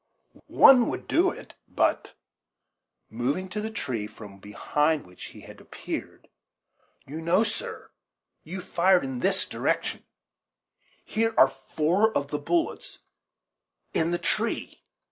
"One would do it; but," moving to the tree from be hind which he had appeared, "you know, sir, you fired in this direction here are four of the bullets in the tree."